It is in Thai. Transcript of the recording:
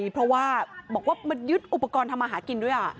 เพราะว่าบอกว่ามายึดอุปกรณ์ทำมาหากินด้วย